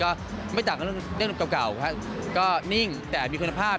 ก็ไม่ต่างกับเรื่องเก่าครับก็นิ่งแต่มีคุณภาพ